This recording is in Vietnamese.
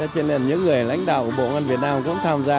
cho nên những người lãnh đạo của bộ ngoan việt nam cũng tham gia